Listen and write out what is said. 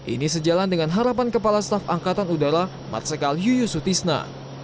ini sejalan dengan harapan kepala staf angkatan udara marsikal yuyusutisna